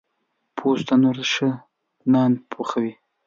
پوخ تنور ښه نان پخوي